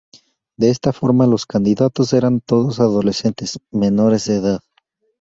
De esta forma, los candidatos eran todos adolescentes menores de edad.